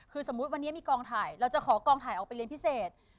คือสมมุติวันนี้ขอกองถ่ายเอาเป็นเรียนพิเศษ